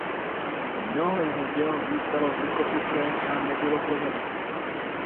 Mnoho jeho děl zůstalo v rukopise a nebylo provedeno.